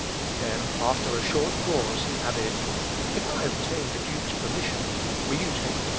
Then, after a short pause, he added "If I obtain the dukes permission, will you take the field?"